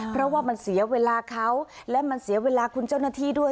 เพราะว่ามันเสียเวลาเขาและมันเสียเวลาคุณเจ้าหน้าที่ด้วย